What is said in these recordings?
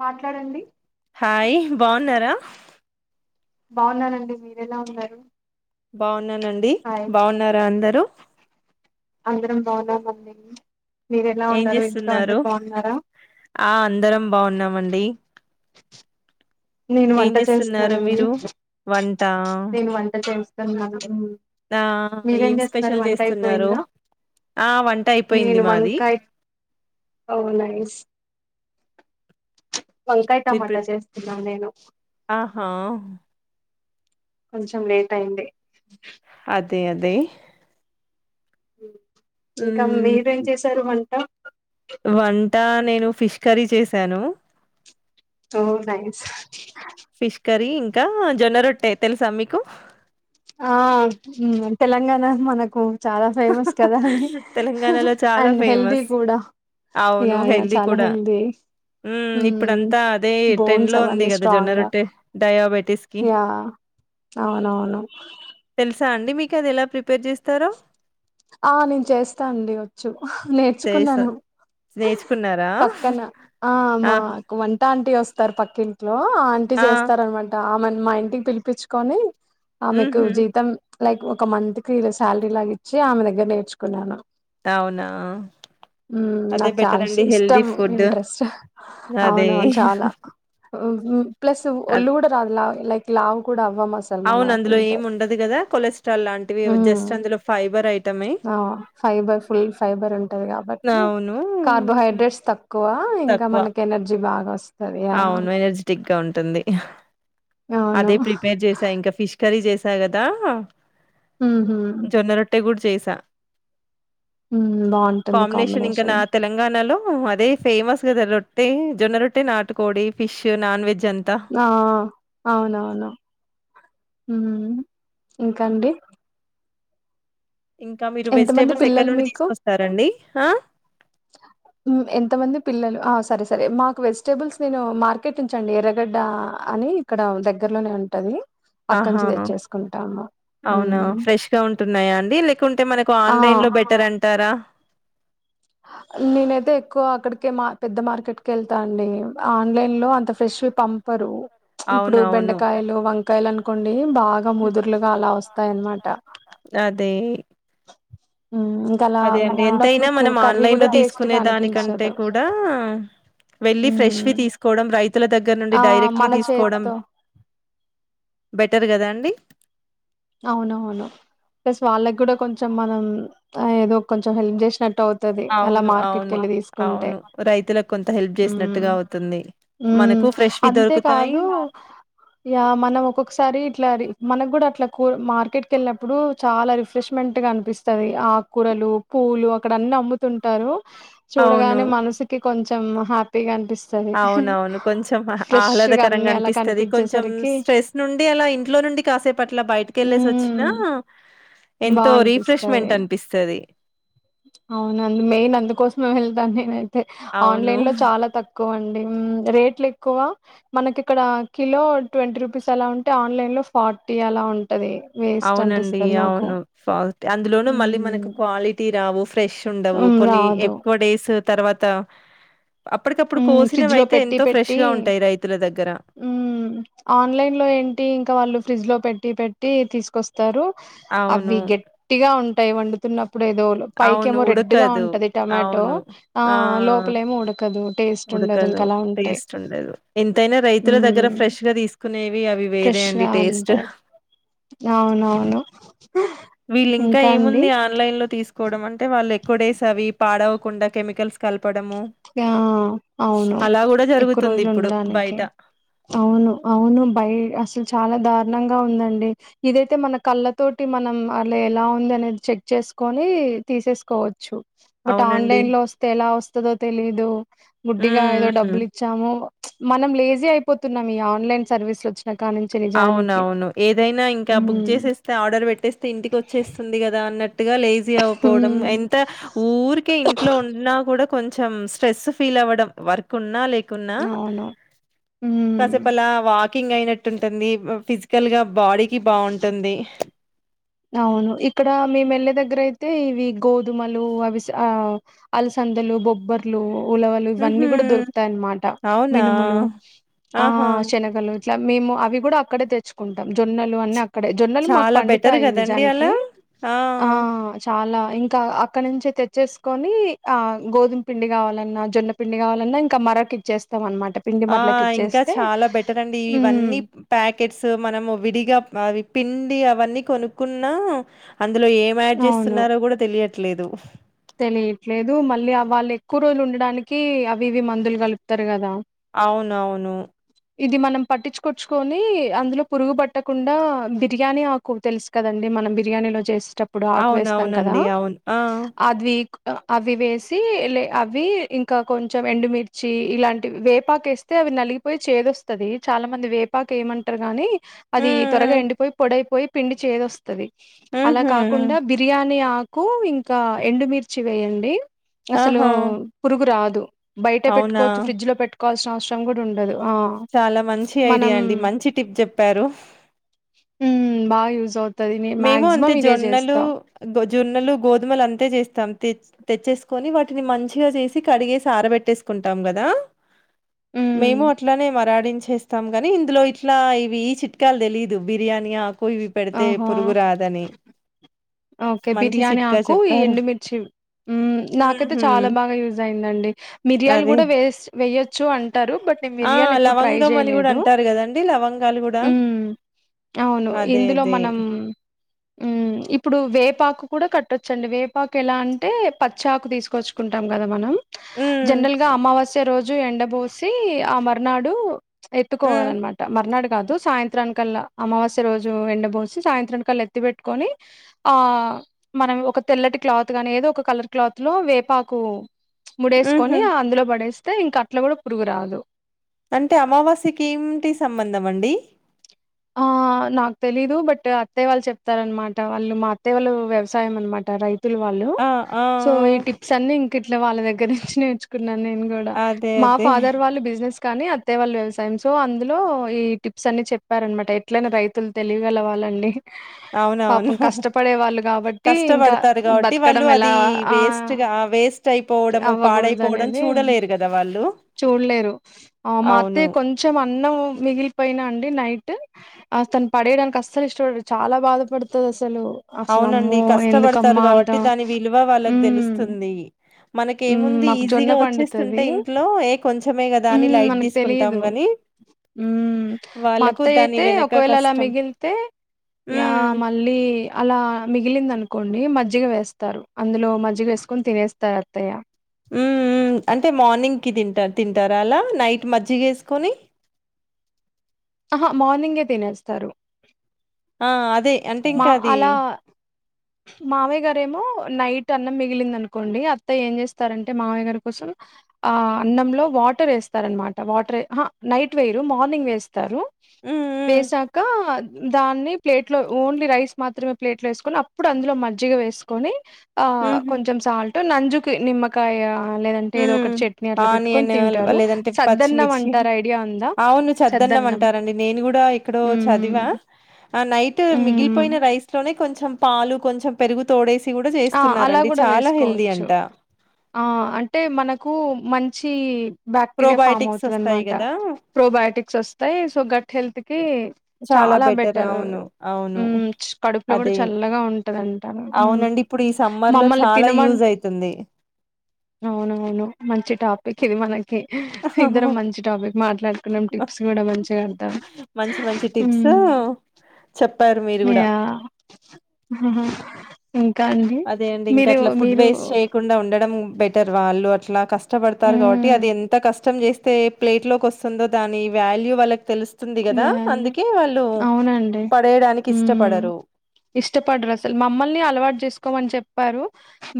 మాట్లాడండి హాయ్ బాగున్నారా బాగున్నానండి మీరూ ఎలా ఉన్నారు బాగున్నానండి హాయ్ బాగున్నారా అందరూ అవునా ఏం చేస్తున్నారు ఆ అందరం బాగున్నామండి [unintelligible] నేను ఏం వంట చేస్తున్నారు చేస్తున్నానండి మీరు వంట నేను వంట చేస్తున్నాను ఆ మీరేం ఏం చేస్తున్నారు స్పెషల్ వంట చేస్తున్నారు అయిపోయిందా ఆ వంట అయిపోయింది నేను మాది వంకాయ ఓ నైస్ వంకాయ మీరు ప్రి టమాటా చేస్తున ఆహా కొంచెం లేట్ అయింది అదే అదే ఇంకా మ్మ్ మీరేం చేసారు వంట వంట నేను ఫిష్ కర్రీ చేసాను ఓ నైస్ ఫిష్ కర్రీ ఇంకా జొన్న రొట్టే తెలుసా మీకు ఆ తెలంగాణ మనకు చాలా ఫేమస్ కదా అది తెలంగాణలో చాలా అండ్ హెల్దీ ఫేమస్ కూడా అవును యా యా హెల్దీ చాలా కూడా హెల్దీ హ్మ్. ఇప్పుడంతా అదే బోన్స్ ట్రెండ్‌లో ఉంది అవన్నీ గదా! జొన్న స్ట్రాంగ్ గా రొట్టె డయాబెటిస్‌కి. యా అవునవును తెలుసా అండి మీకు అది ఎలా ప్రిపేర్ చేస్తారో ఆ నేను చేస్తానండి వచ్చు చేసా నేర్చుకున్నాను నేర్చుకున్నారా? పక్కన ఆ మా వంటా ఇంటి వస్తారు పక్కింట్లో ఆ అంటి చేస్తార అన్నమాట ఆమెను మా ఇంటికి పిలిపించుకొని ఆమెకు హుహు. జీతం లైక్ ఒక మంత్ కి శాలరీ లాగా ఇచ్చి ఆమె దగ్గర నేర్చుకున్నాను అవునా అదే నాకు చాలా బెటరండి హెల్తీ ఇష్టం ఫుడ్. ఇంట్రెస్ట్ అదే. అవునవును చాలా ప్లస్ అద్ ఒళ్ళు కూడా రాదు లైక్ లావు కూడాడా అవును అందులో ఏమి ఉండదు కదా కొలెస్ట్రాల్ లాంటివి హ్మ్ జస్ట్ అందులో ఫైబర్ ఐ ఆ ఫైబర్ ఫుల్ ఫైబర్ ఉంట ది కాబట్టి అవును. కార్బోహైడ్రేట్స్ తక్కువ ఇంకా తక్కువ. మనకి ఎనర్జీ బాగా ఉంటాది అవును ఎనర్జెటిక్ గా ఉంటుంది అవును అదే ప్రిపేర్ చేసా ఇంకా ఫిష్ కర్రీ చేసా కదా ఉహూ గూడా చేసా ఉమ్ బాగుంటుంది కాంబినేషన్ ఇంక నా తెలంగాణలో అదే ఫేమస్ కదా రొట్టె జొన్న రొట్టె నాటుకోడి ఫిష్ నాన్ వెజ్ అంతా ఆ ఆ అవునవును ఉమ్ ఇంకాండి ఇంకా మీరు మంది వెజిటేబుల్స్ ఎక్కడి పిల్లలు నుండి మీకు తీసుకొస్తారంండి హా ఎంతమంది పిల్లలు సరే సరే మాకు వెజిటేబుల్స్ నేను మార్కెట్ నుంచండి ఎర్రగడ్డ అని ఇక్కడ దగ్గరలోనే ఉంటది ఆహా అక్కంచి తెచ్చేసుకుంటాము అవునా ఉమ్ ఫ్రెష్ గా ఉంటున్నాయా అండి లేకుంటే మనకు ఆ ఆన్లైన్ లో బెటర్ అంట తర నేనైతే ఎక్కువ అక్కడికే మా పెద్ద మార్కెట్కి వెళ్తా అండి ఆన్లైన్లో అంత ఫ్రెష్వి పంపరు ఇప్పుడు అవునవును బెండకాయలు వంకాయలు అనుకోండి బాగా ముదుర్లుగా అలా వస్తాయన్నమాట అదే ఇంకా అలా అదే అండి ఉన్నప్పుడు ఎంతయినా కు మనం కర్రీ ఆన్లైన్ కూడా లో టేస్ట్ తీసుకునే గా దానికంటే అనిపించదు కూడా వెళ్లి ఫ్రెష్వి హ్మ్. తీసుకోవడం రైతుల దగ్గర నుండి ఆ డైరెక్ట్వి మన తీసుకోవడం చేతితో బెటర్ కదా అండి అవునవును ప్లస్ వాళ్ళకి కూడా కొంచం కొంచెం మనం ఏదో కొంచెం హెల్ప్ చేసినట్టు ది అలా అవును మార్కెట్కి అవును వెళ్ళి తీసుకుంటే అవును రైతులకు కొంత హెల్ప్ ఉమ్ చేసినట్టుగా అవుతుంది ఉమ్ మనకు ఫ్రెష్ వి దొరుకుతాయి అంతేకాదు మనం ఒక్కొక్కసారి ఇట్లా మనకు కూడా అట్లా మార్కెట్ క వెళ్ళినప్పుడు చాలా రిఫ్రెష్మెంట్ గా అనిపిస్తుంది ఆకూరలు పూలు అక్కడన్ని నముతుంటారు అవును చూడగానే మనిషికి కొంచెం హ్యాపీగా అనిపి అవునవును కొంచెం ఆహ్లాదకరంగా అన్నీ అలా అనిపిస్తది కొంచెం కనిపించేసరికి స్ట్రెస్ నుండి అలా ఇంట్లో నుండి కాసేపట్ల బయట కెళ్ళెసొచిన హ్మ్ బా ఎంతో రిఫ్రెష్మెంట్ అనిపిస్తది అవునా మెయిన్ అందుకోసమే వెళ్తాను నేనైతే అవును ఆన్లైన్ లో చాలా తక్కువ అండి రేట్లు ఎక్కువ మనకి ఇక్కడ కిలో ట్వంటీ రూపీస్ అలా ఉంటే ఆన్లైన్ లో ఫార్టీ అలా ఉం అవునండి అవును ఫాల్ట్ అందులోను మళ్ళీ మనకి క్వాలిటీ రావు ఫ్రెష్ ఉండవు ఉమ్ కొన్ని రాదు ఎక్కువ డేస్ తర్వాత అప్పటికప్పుడు కోసినవి ఫ్రిడ్జ్ లో అయితే పెట్టి ఎంతో ఫ్రెష్ పెట్టి గా ఉంటాయి రైతుల దగ్గర మ్ ఆన్లైన్ లో ఏంటి ఇంకా వాళ్ళు ఫ్రిడ్జ్ లో పెట్టి పెట్ టి తీసుకొస్తారు అవి అవును గట్టిగా ఉంటాయ్ వండుతున్న ఇప్పుడు ఏదో అవును. పైకేమో రెడ్ గా ఉడకదు. ఉంటది టొమాటో అవును. ఆ లోపలేమో ఉడకదు టేస్ట్ ఉండదు ఉడకదు ఇంక అలా ఉంటాయి టేస్ట్ ఉండదు ఎంతైనా రైతుల దగ్గర ఉమ్ ఫ్రెష్ గా తీసుకునే వి అవి వేరే ఫ్రెష్ అండి గా టేస్ట్ ఉంటాయి అవునవును వీళ్ళింకా ఇంకా అండి ఏముంది ఆన్లైన్ లో తీసుకు కోవడం అంటే వాళ్ళు ఎక్వుడేస్ అవి పాడవకుండా కెమికల్స్ కల్పి ఆ అవును అలా గూడా ఎక్కువ జరుగుతుంది రోజులు ఇప్పుడు ఉండడానికి బయట. అవును అవును బయ అసలు చాలా దా నంగా ఉందండి ఇదైతే మన కళ్ళ తోటి మనం అలా ఎలా ఉంది అనేది చెక్ చేసుకొని తీసేసుకోవచ్చు బట్ అవునండి. ఆన్లైన్ లో వస్తే ఎలా వస్తదో తెలీదు గుడ్డిగా ఏదో హ్మ్. హ్మ్. డబ్బులు ఇచ్చాము మనం లేజీ అయిపోతున్నాం ఈ ఆన్లైన్ సర్వీస్ లోచి అవునవును ఏదైనా ఇంకా బుక్ ఉమ్ చేసేస్తే ఆర్డర్ పెట్టేస్తే ఇంటికి వచ్చేస్తుంది కదా అన్నట్టు గా లేజీ అవ్వపోడం ఉమ్ ఎంత ఊరికే ఇంట్లో ఉన్నా కూడా కొంచెం స్ట్రెస్ ఫీల్ అవ్వడం వర్క్ ఉన్నా లేక కున్నా అవును ఉమ్ కాసేపలా వా వాకింగ్ అయినట్టు ఉంటుంది ఫిజికల్ గా బాడీకిి బాగుంటుంది అవును ఇక్కడ మే మెల్లె దగ్గర అయితే ఇవి గోధుమలు అవి అలస అందలు బొబ్బర్లు ఉలవలు ఇవన్నీ హుహు. కూడా దొరుకుతాయన్నమాట అవునా! మినుములు ఆ ఆహా! శనగలు ఇ మేము అవి కూడా అక్కడే తెచ్చుకుంటాం జొన్నలు అని అక్కడే జొన్నలు మాకు చాలా పండు బెటర్ తాయి గదండీ నిజానికి అలా. ఆ చా అలా ఇంకా అక్కడ నుంచి తెచ్చేసుకొని ఆ గోధుమ పిండి కావాలన్నా జొన్న పిండి కావాలన్నా ఇంకా మరకి ఇచ్చేస్తాం అనమాట పిండి ఆ మరలకి ఇంకా ఇచ్చేస్తే చాలా బెటర్ అండి ఉమ్, ఇవన్నీ ప్యాకెట్స్ మనము విడిగా అవి పిండి అవన్నీ కొనుక్కున్నా అందులో ఏం యాడ్ అవును చేస్తున్నారో కూడా తెలియ ట్లేదు తెలియట్లేదు మళ్ళీ వాళ్ళు ఎక్కువ రోజులు ఉండడానికి అవి ఇవి మందులు కలుపుతారు కదా అవునవును. ఇది మనం పట్టిచుకొచ్చుకొని అందులో పురుగు పట్టకుండా బిర్యానీ ఆకు తెలుసు కదండి మనం బిర్యానీలో చేసేటప్పుడు ఆకు వేస్తాం కదా అవునవునండి. అవును. ఆ! అద్విక్ అవి వేసి అవి ఇంకా కొంచెం ఎండుమిర్చి ఇలాంటి వేపా పాకేస్తే అవి నలిగిపోయి చేదొస్తది చాలా మంది వేపాక ఏయమంటరు గాని అది త్వరగా హ్మ్. ఎండిపోయి పొడైపోయి పిండి చేదొస్త హ్మ్. అలా హుహు. కాకుండా హ్మ్. బిర్యానీ ఆకు ఇంకా ఎండుమిర్చి వేయండి అసలు ఆహా! పురుగు రాదు బయట అవునా! పేటుకోవచూ ఫ్రిడ్జ్ లో పెట్ కోవాల్సిన అవసరం కూడా ఉండదు ఆ చాలా మంచి ఐడియా మనం అండి మంచి టిప్ చెప్పారు హ్మ్ బాగ యూజ్ అవు మేము అంతే జొన్నలు గ జొన్నలు గోధుమలు అంతే చేస్తాం తెచ్చేసుకొని వాటిని మంచిగా చేసి కడిగేసి ఆరబెట్టేసుకు కుంటాం కదా ఉమ్ మేము అట్లానే మరాడించేస్తాం కాని ఇందులో ఇట్లా ఇవి చిట్కాలు తెలిదు బిర్యానీ అని ఆకు ఇవి పెడితే ఆహా పొరుగు రాదని ఓకే మంచి బిర్యానీ చిట్కా ఆకు ఈ చెప్పారు ఎండుమిర్చి నాకైతే ఉహు చాలా బాగా యూజ్ అయిందండి మిరియాలు అదే కూడా వేస్ వేయొచ్చు అంటే అంటారు బట్ నేను ఆ మిర్యాలు ఎప్పుడు ట్రై లవంగం అని కూడా చేయలేదు అంటారు కదండి లవంగాలు కూడా అవును అదే ఇందులో అదే మనం మ్మ్ ఇప్పుడు వేపాకు కూడా కట్టొచ్చండి వేపాకు ఎలా అంటే పచ్చకు తీసుకొచ్చుకుంటాం కదా మనం ఉమ్ జనరల్ గా అమావాస్య రోజు ఎండబోసి ఆ మరనాడు ఉమ్ ఎత్తుకోవాలన్నమాట మర్నాడు కాదు సాయంత్రానికల్లా అమావాస్య రోజు ఎండబోసి సాయంత్రం కళ్ల ఏటిబెటుకొని అ మనం ఒక తెల్లాటి క్లాత్ కాని ఒక కలర్ క్లాత్ లో వేపాకు ముడేసుకొని ఉహు అందులో పడేస్తే ఇంక అట్లా కూడా పురుగు రాదు అంటే అమావాస్య కీ ఎన్టి సంబంధం అండి ఆ! నాకు తెలీదు బట్ అత్తయ వాళ్ళు చెప్తారనమాట వాళ్ళు మా అత్తయ వాళ్ళు వ్యవసాయం అనమాట రైతు వాళ్ళు ఆ ఆ సో ఈ టిప్స్ అన్ని ఇంక ఇట్లా వాళ్ళ దగ్గర నుంచి నేర్చుకుంట నేను కూడా ఆ అదే మా అదే ఫాదర్ వాళ్ళు బిజినెస్ కానీ అత్తేవాళ్ళ వ్యవసాయం సో అందులో ఈ టిప్స్ అన్ని చె చెప్పారనమాట ఎట్లనా రైతులు తెలివిగలవాలండీ అవునవును పాపం కష్టపడే వాళ్ళు కాబట్టి ఇంకా కష్టపడతారు కాబట్టి వాళ్ళు బతకడం ఎలా అది ఆ వేస్ట్గా వేస్ట్ అయిపోవడము పాడైపోవడం అవ్వగూడదనేది చూడలేరు కదా వాళ్ళు చూడలేరు ఆ మా అవును అత్తయ్య కొంచెం అన్నం మిగిలిపోయినా అండి నైట్ ఆ తను పడేడానికి అసలు ఇష్టపడారు చాలా బాధపడుతుంది అ అవునండి కష్టపడతారు అంత కాబట్టి దాని విలువ వాళ్ళకి ఉమ్ తెలుస్తుంది మనక ఉమ్ ఏముంది మాకు జొన్న ఈజీగా పండుతది వచ్చేస్తుంటే ఇంట్లో ఏ కొంచమే కదా అని లైట్ తీసుకుంటాం గాని ఉ వాళ్ళకు మఅత్తయ్య దాని అయితే వెనక ఒకవేళ అలా కష్టం మిగిలితే యా హ్మ్ మళ్ళీ అలా మిగిలింది అనుకోండి మజ్జిగ వేస్తారు అందులో మజ్జిగ వేసుకొని తినేస్తారు అత్తయ్య ఉమ్మ్ అంటే మార్నింగ్కి తింట తింటార అలా నైట్ మజ్జిగేసుకొని ఆహా మార్నింగే తినేస్తారు ఆ అదే అంటే ఆ! మా ఇంకా అది అలా మావయ్య గారేమో నైట్ అన్నం మిగిలిందనుకోండి అత్తయ్య ఏం చేస్తారంటే మావయ్య గారి కోసం ఆ అన్నంలో వాటర్ వేస్తారనమాట వాటర్ నైట్ వేయరు మార్నింగ్ వేస్తారు హ్మ్ హ్మ్ వేసాక దాన్ని ప్లేట్ లో ఓన్లీ రైస్ మాత్రమే ప్లేట్ల ఏసుకొని ఇప్పుడు అందులో మజ్జిగ వేసుకొని ఆ హుహు కొంచెం సాల్ట్ నంజుకి నిమ్మకాయ లేదంటే ఏదో హ్మ్ ఒకటి చట్నీ అట్లా పెట్టుకని ఆనియన్ తింటారు లేదంటే సద్దన్నం అంటారు ఐడియా ఉందా సద్ న్నం అంటారండి నేను కూడా ఎక్కడొ చదివా ఉమ్ నైట్ మిగిపోయిన ఉమ్ రైస్ లో కొంచెం పాలు కొంచెం పెరుగు తోడేసి గూడా ఆ అలా చేస్తున్నారండి కూడా చాలా హెల్దీ వేసుకోవచ్చు అంట ఆ అంటే మనక్ కు మంచి బాక్టీరియా ఫామ్ ప్రోబయోటిక్స్ అవుతద వస్తాయి అనమాట గదా ప్రోబయోటిక్స్ వస్తాయి సో గట్ హెల్త్ కి చాలా బెటర్ ఉమ్ కడుపులో కూడా అదే చల్లగా ఉంట్ పెట్టదంటల అవునండి ఇప్పుడు ఈ సమ్మర్ లో మమ్మల్ని చాలా తినమని యూజ్ అయితుంది అవున అవును మంచి టాపిక్ ఇది మ ఇద్దరం మంచి టాపిక్ మాట్లాడుకున్నాం టిప్స్ కూడ మంచిగ అర్ధమైన్ ఊ చెప్ యా ఇంకా అండి అదే అండి ఇంకా మీరు అట్ల ఫుడ్ మీరు వేస్ట్ చేయ్యకుండా ఉండడం బెటర్ వాళ్ళు అట్లా కష్టపడతారు కాబట్టి హ్మ్ అది ఎంత కష్టం చేస్తే ప్లేట్ లోకి వస్ స్తుందో దాని వాల్యూ వాళ్ళక్ తెలుస్తుంది కదా వాళ్ళు అందుకే వాళ్ళు అవునండి పడేయడానికి హ్మ్ ఇష్టపడరు ఇష్టపడరు అసలు మమ్మల్ని అలవాటు చేసుకోమని చెప్పారు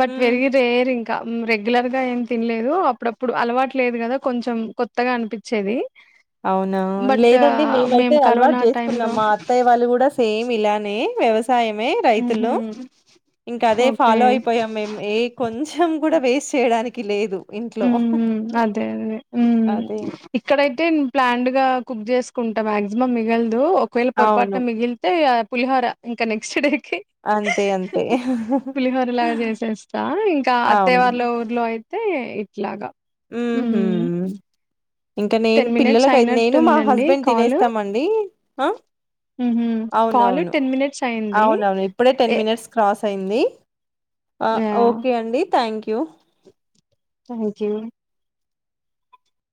బట్ హ్మ్ వెరీ రేర్ ఇంక్ రెగ్యులర్ గా ఏం తినలేదు అప్పుడప్పుడు అలవాటు లేదు కదా కొంచెం కొత్తగా అనిపిచ్చేది అవునా లేదండి మేమయితే మేము అలవాటు కరోనా టైమ్ చేసుకున్నాం లో మా అత్తయ్య వాళ్ళు కూడా సేమ్ ఇలానే వ్యవసాయమే ఉహు రైతులు ఇంకా అదే ఓకే ఫాలో అయిపోయాం మేం ఏ కొంచెం కూడా వేస్ట్ చేయడానికి లేదు ఇంట్లో ఉం ఉమ్ అదే అదే ఉమ్ అదే ఇక్కడైతే ప్లాండ్ గా కుక్ చేసుకుంటా మాక్సిమం మిగలదు ఒకవేళ అవును పొరపాటున మిగిలితే పులిహార ఇంక నెక్స్ట్ డే అంతే అంతే పులిహోరలాగా చేసేస్తా ఇంకా అవును అత్తేయవాళ్ల ఊర్లో అయి తే ఇట్లాగా ఉహుమ్ ఇంకా నేను టెన్ మినిట్స్ పిల్లలకై నేను మా అయినట్టుందండి హస్బెండ్ కాల్ తినేస్తామండి ఉహు కాల్ అవునవును టెన్ మినిట్స్ అయింది అవునవును ఇప్పుడే టెన్ ఏ మినిట్స్ క్రాస్ అయింది ఆ ఓకే అండి థ్యాంక్ యూ థ్యాంక్ యూ